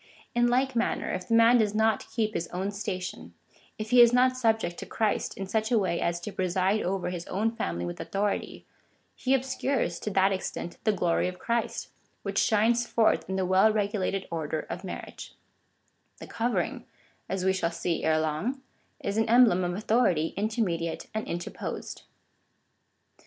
In like manner, if the man does not keep his own station — if he is not subject to Christ in such a way as to preside over his own family with authority, he obscures, to that extent, the glory of Christ, which shines forth in the well regulated order of marriage The covering, as we shall see ere long, is an emblem of au thority intermediate and interposed.